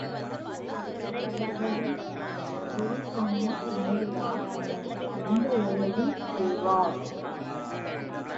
அவர்களும் குரு சொன்ன பின்புதான் எந்தவேலையையும் செய்வர்.